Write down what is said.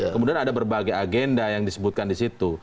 kemudian ada berbagai agenda yang disebutkan disitu